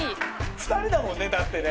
２人だもんねだってね。